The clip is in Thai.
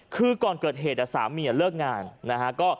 คือก่อนเกิดเหตุสามีเลิกงานนะฮะ